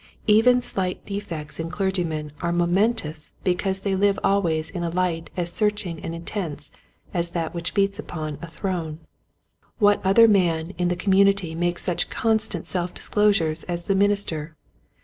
Even slight defects in clergymen are momentous be 8 Quiet Hints to Growing Preachers. cause they live always in a light as search ing and intense as that which beats upon a throne. What other man in the com munity makes such constant self disclo sures as the minister